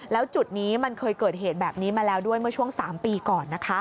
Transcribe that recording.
แล้วจุดนี้มันเคยเกิดเหตุแบบนี้มาแล้วด้วยเมื่อช่วง๓ปีก่อนนะคะ